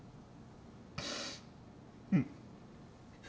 うん。